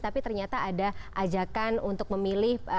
tapi ternyata ada ajakan untuk memilih